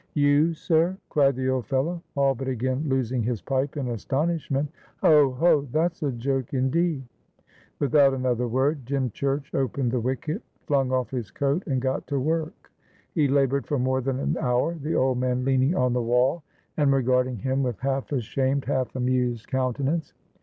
"You, sir!" cried the old fellow, all but again losing his pipe in astonishment. "Ho, ho! That's a joke indeed!" Without another word, Dymchurch opened the wicket, flung off his coat, and got to work. He laboured for more than an hour, the old man leaning on the wall and regarding him with half ashamed, half amused countenance.